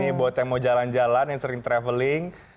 ini buat yang mau jalan jalan yang sering traveling